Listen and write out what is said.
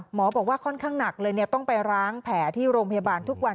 หมอบอกว่าค่อนข้างหนักเลยต้องไปล้างแผลที่โรงพยาบาลทุกวัน